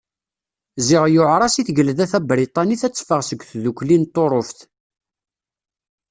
Ziɣ yuɛer-as i Tgelda Tabriṭanit ad teffeɣ seg Tdukli n Tuṛuft.